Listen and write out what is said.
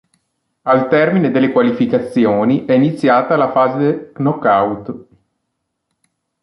Al termine delle qualificazioni è iniziata la fase knockout.